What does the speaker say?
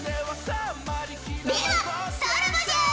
ではさらばじゃ！